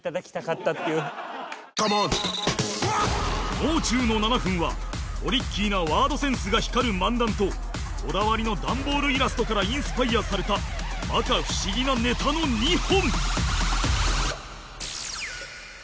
もう中の７分はトリッキーなワードセンスが光る漫談とこだわりのダンボールイラストからインスパイアされた摩訶不思議なネタの２本